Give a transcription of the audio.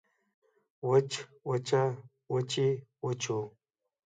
وچ وچه وچې وچو